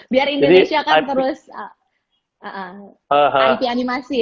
biar indonesia kan terus